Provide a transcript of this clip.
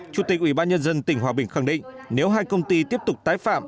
chủ tịch ubnd tỉnh hòa bình khẳng định nếu hai công ty tiếp tục tái phạm